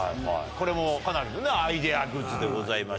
これもかなりのアイデアグッズでございました。